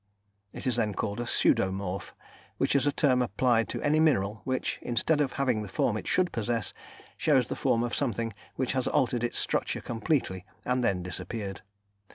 It is then called a pseudomorph, which is a term applied to any mineral which, instead of having the form it should possess, shows the form of something which has altered its structure completely, and then disappeared.